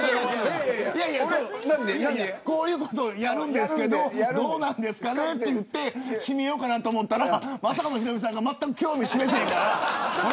こういうことをやるんですけれどもどうなんですかといって締めようかなと思ったらまさかのヒロミさんがまったく興味示せへんから。